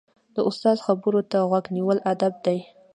د استاد خبرو ته غوږ نیول ادب دی.